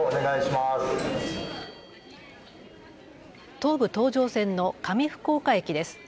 東武東上線の上福岡駅です。